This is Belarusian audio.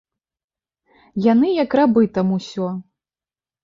Яны як рабы там усё.